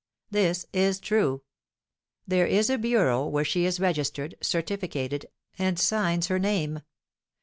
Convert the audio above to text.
This is true. There is a bureau where she is registered, certificated, and signs her name.